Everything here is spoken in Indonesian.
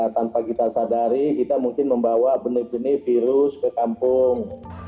tanpa kita sadari kita mungkin membawa benih benih virus ke kampung